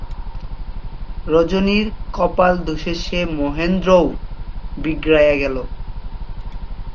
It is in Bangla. রজনীর কপালদোষে সে মহেন্দ্রও বিগড়ইয়া গেল।